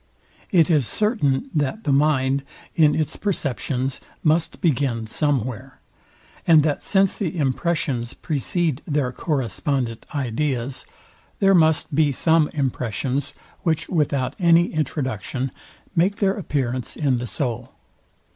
Book I. Part I. Sect. 2. It is certain, that the mind, in its perceptions, must begin somewhere; and that since the impressions precede their correspondent ideas, there must be some impressions, which without any introduction make their appearance in the soul.